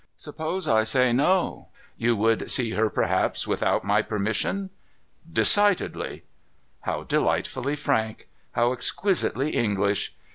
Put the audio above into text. Suppose I say, No ? you would see her perhaps without my permission ?'' Decidedly !'' How delightfully frank ! How exquisitely English